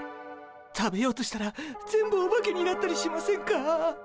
食べようとしたら全部オバケになったりしませんか？